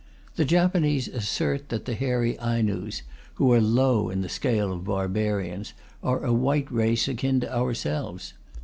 The Japanese assert that the hairy Ainus, who are low in the scale of barbarians, are a white race akin to ourselves.